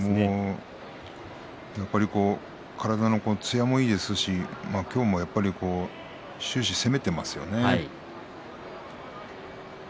やっぱり体のつやもいいですし今日もやっぱり終始攻めていますよね。